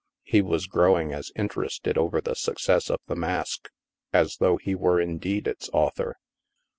He was growing as interested over the success of " The Mask " as though he were indeed its author.